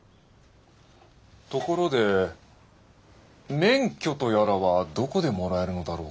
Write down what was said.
ところで免許とやらはどこでもらえるのだろうか？